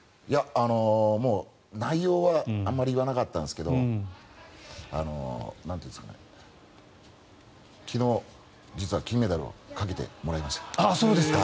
もう内容はあまり言わなかったんですけど昨日、実は金メダルをかけてもらいました。